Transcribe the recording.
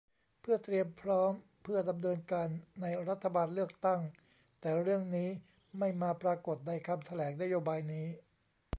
เพื่อเตรียมพร้อม เพื่อดำเนินการในรัฐบาลเลือกตั้ง แต่เรื่องนี้ไม่มาปรากฎในคำแถลงนโยบายนี้